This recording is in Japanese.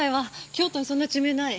京都にそんな地名ない。